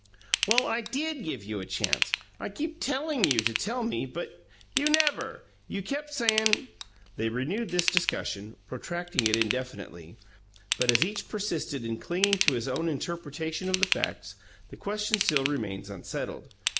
"Well, I DID give you a chance. I kept TELLIN' you to tell me, but " "You never! You kept sayin' " They renewed this discussion, protracting it indefinitely; but as each persisted in clinging to his own interpretation of the facts, the question still remains unsettled.